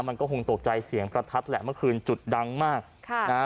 มันก็คงตกใจเสียงประทัดแหละเมื่อคืนจุดดังมากค่ะนะฮะ